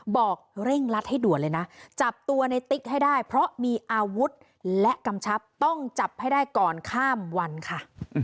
บอกเร่งรัดให้ด่วนเลยนะจับตัวในติ๊กให้ได้เพราะมีอาวุธและกำชับต้องจับให้ได้ก่อนข้ามวันค่ะ